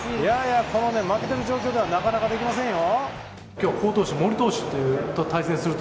負けてる状況ではなかなかできませんよ。